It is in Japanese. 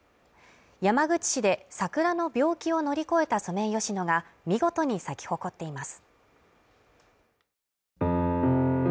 山口市で桜の病気を乗り越えたソメイヨシノが見事に咲き誇っています。